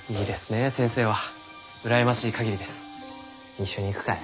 一緒に行くかえ？